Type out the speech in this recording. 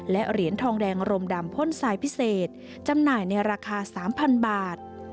และเหรียญทองแดงรมดำพ่นทรายพิเศษจำหน่ายในราคา๓๐๐บาท